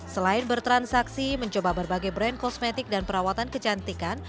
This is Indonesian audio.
selain bertransaksi mencoba berbagai brand kosmetik dan perawatan kecantikan